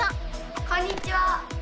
こんにちは！